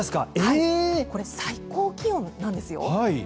これ、最高気温なんですよ。